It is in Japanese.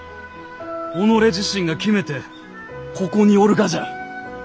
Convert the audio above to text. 己自身が決めてここにおるがじゃ。